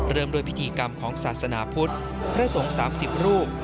เริ่มด้วยพิธีกรรมของศาสนาพุทธพระสงฆ์๓๐รูป